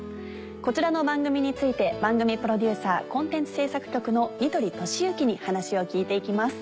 こちらの番組について番組プロデューサーコンテンツ制作局の似鳥利行に話を聞いて行きます。